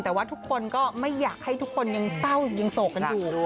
แต่ว่าทุกคนก็ไม่อยากให้ทุกคนยังเศร้ายังโศกกันอยู่